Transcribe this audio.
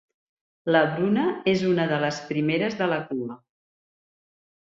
La Bruna és una de les primeres de la cua.